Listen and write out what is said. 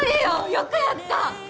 よくやった。